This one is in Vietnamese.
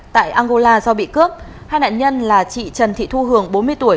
tại angola do bị cướp hai nạn nhân là chị trần thị thu hường bốn mươi tuổi